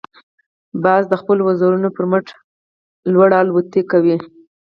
باز د خپلو وزرونو پر مټ لوړ الوت کوي